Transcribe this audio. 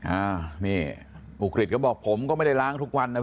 อ้าวนี่อุกฤษก็บอกผมก็ไม่ได้ล้างทุกวันนะ